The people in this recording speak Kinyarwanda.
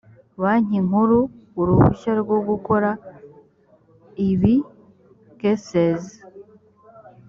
banki nkuru uruhushya rwo gukora ibi cases